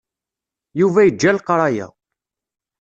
Yuba yeǧǧa leqraya.